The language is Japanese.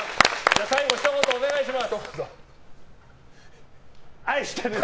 最後にひと言お願いします。。